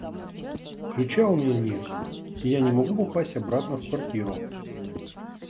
Ключа у меня нет, и я не могу попасть обратно в квартиру.